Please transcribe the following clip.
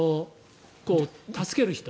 助ける人。